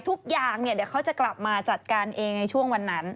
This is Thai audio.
ทุกอย่างเดี๋ยวเขาจะกลับมาจัดการเองในช่วงวันนั้น